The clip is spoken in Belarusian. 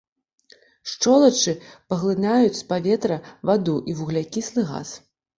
Шчолачы паглынаюць з паветра ваду і вуглякіслы газ.